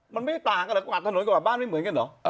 มันไม่ต่างอะไรกวาดถนนกวาดบ้านไม่เหมือนกันเหรอ